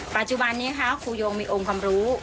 ปัจจุบันนี้ค่ะครูยงมีองค์ความรู้